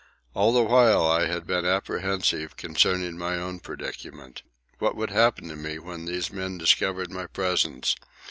All the while I had been apprehensive concerning my own predicament. What would happen to me when these men discovered my presence?